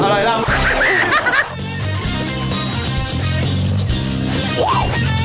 อร่อยล้ำ